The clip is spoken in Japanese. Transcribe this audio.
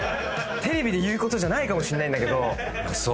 テレビで言うことじゃないかもしんないんだけど。